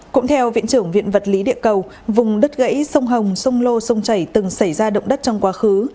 cũng theo viện trưởng viện vật lý địa cầu vùng đất gãy sông hồng sông lô sông chảy từng xảy ra động đất trong quá khứ